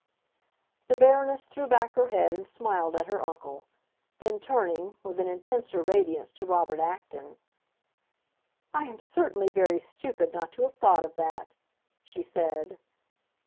The Baroness threw back her head and smiled at her uncle; then turning, with an intenser radiance, to Robert Acton, "I am certainly very stupid not to have thought of that," she said.